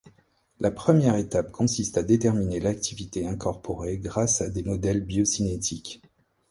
La première étape consiste à déterminer l’activité incorporée grâce à des modèles biocinétiques.